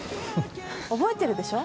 覚えてるでしょ？